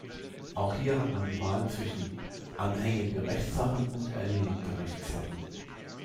Auch hier hat man die Wahl zwischen: anhängige Rechtssachen und erledigte Rechtssachen.